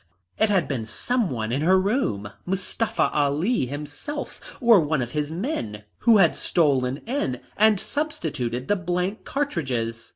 It had been some one in her room, Mustafa Ali himself, or one of his men, who had stolen in and substituted the blank cartridges.